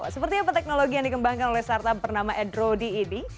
seperti apa teknologi yang dikembangkan oleh startup bernama adrodi ini